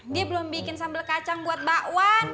dia belum bikin sambal kacang buat bakwan